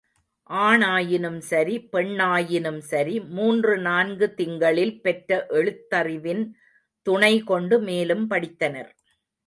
ஆணாயினும் சரி, பெண்ணயினும் சரி, மூன்று நான்கு திங்களில் பெற்ற எழுத்தறிவின் துணை கொண்டு மேலும் படித்தனர்.